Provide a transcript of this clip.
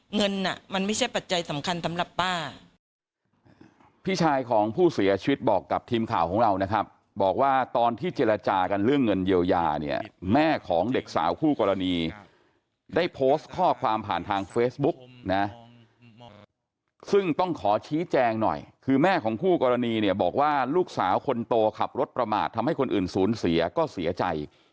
เงินมันไม่ใช่ปัจจัยสำคัญสำหรับป้า